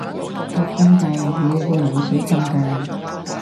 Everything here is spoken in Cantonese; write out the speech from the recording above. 落咁大雨會唔會水浸架